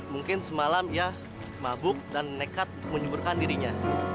mungkin semalam ya mabuk dan nekat menyugurkan dirinya